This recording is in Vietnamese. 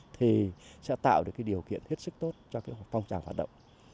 thì sẽ tạo được điều kiện hết sức tốt cho phong trào hoạt động